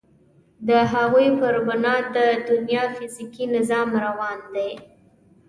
د هغوی پر بنا د دنیا فیزیکي نظام روان دی.